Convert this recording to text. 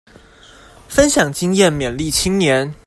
分享經驗勉勵青年